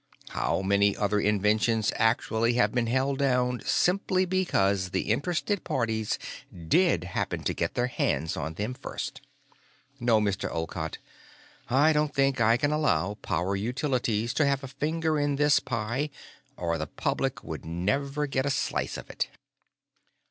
How many other inventions actually have been held down simply because the interested parties did happen to get their hands on them first? "No, Mr. Olcott; I don't think I can allow Power Utilities to have a finger in this pie or the public would never get a slice of it."